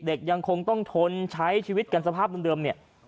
เด็กยังคงต้องทนใช้ชีวิตกันสภาพเดิม